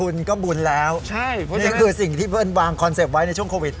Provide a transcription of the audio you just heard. นี่คือสิ่งที่เพื่อนวางคอนเซปต์ไว้ในช่วงโควิด